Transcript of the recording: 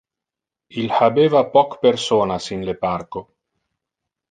Il habeva poc personas in le parco.